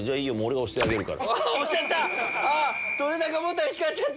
押しちゃった！